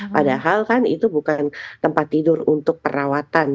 padahal kan itu bukan tempat tidur untuk perawatan